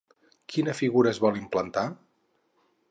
Quina figura es vol implantar?